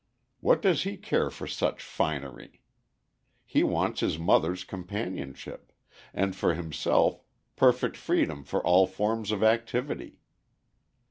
What does he care for such finery? He wants his mother's companionship, and for himself perfect freedom for all forms of activity.